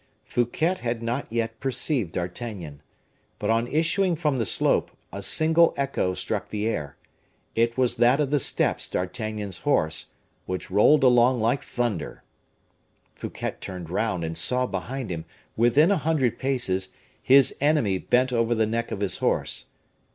Fouquet had not yet perceived D'Artagnan. But on issuing from the slope, a single echo struck the air; it was that of the steps of D'Artagnan's horse, which rolled along like thunder. Fouquet turned round, and saw behind him, within a hundred paces, his enemy bent over the neck of his horse.